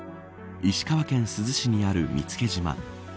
石川県珠洲市にある見附島。